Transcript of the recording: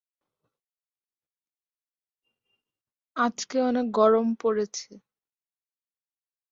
D Niro ও DiCaprio দুজনকেই তারা কেন এই চরিত্রের জন্য যোগ্য তা প্রমাণ করতে হবে।